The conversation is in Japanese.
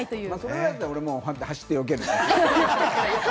これだったら走ってよけるね。